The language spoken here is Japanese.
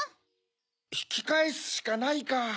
ひきかえすしかないか。